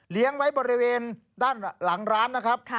ไว้บริเวณด้านหลังร้านนะครับ